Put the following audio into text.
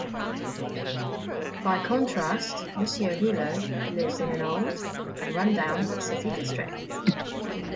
By contrast, Monsieur Hulot lives in an old and run-down city district.